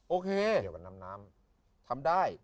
โอเคทำได้